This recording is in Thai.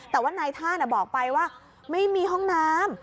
แต่ว่านายท่านบอกไปว่าไม่มีห้องน้ำ